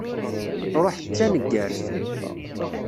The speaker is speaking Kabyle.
Truḥ d taneggart.